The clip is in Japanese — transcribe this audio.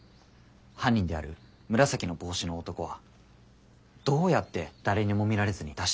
犯人である紫の帽子の男はどうやって誰にも見られずに脱出できたのか？